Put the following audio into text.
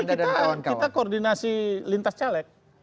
selama ini kita koordinasi lintas caleg